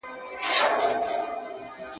د پښتو د معاصر ادب ځلانده ستورو ته ډالۍ او نظرانه،